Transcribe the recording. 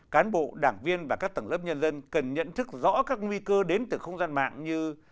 cán bộ đảng viên và các tầng lớp nhân dân cần nhận thức rõ các nguy cơ đến từ không gian mạng như